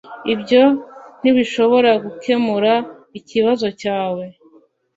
Ibyo ntibishobora gukemura ikibazo cyawe